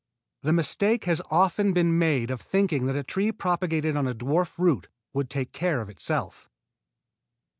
The mistake has often been made of thinking that a tree propagated on a dwarf root would take care of itself.